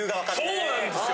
そうなんですよ！